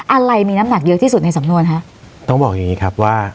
อะไรมีน้ำหนักเยอะที่สุดในสำนวนฮะต้องบอกอย่างงี้ครับว่า